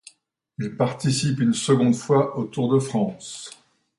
Il participe une seconde fois au Tour de France.